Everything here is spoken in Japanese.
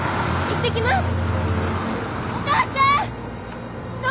行ってきます！